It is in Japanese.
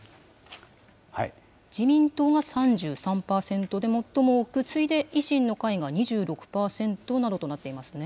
自民党が３３％で最も多く、次いで維新の会が２６％などとなっていますね。